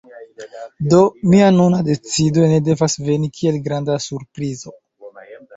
Do, mia nuna decido ne devas veni kiel granda surprizo.